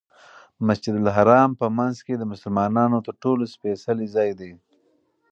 مسجدالحرام په منځ کې د مسلمانانو تر ټولو سپېڅلی ځای دی.